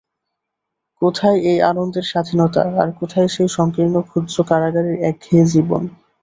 কোথায় এই আনন্দের স্বাধীনতা, আর কোথায় সেই সঙ্কীর্ণ ক্ষুদ্র কারাগারের একঘেয়ে জীবন!